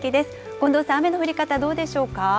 近藤さん、雨の降り方どうでしょ